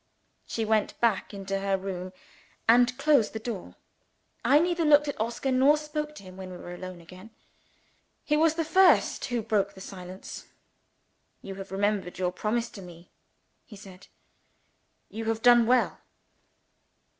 She went back into her room, and closed the door. I neither looked at Oscar, nor spoke to him, when we were alone again. He was the first who broke the silence. "You have remembered your promise to me," he said. "You have done well."